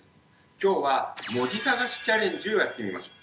今日は文字探しチャレンジをやってみましょう。